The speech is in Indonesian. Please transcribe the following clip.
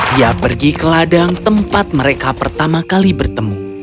dia pergi ke ladang tempat mereka pertama kali bertemu